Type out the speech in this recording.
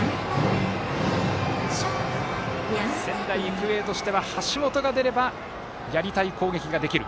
仙台育英としては橋本が出ればやりたい攻撃ができる。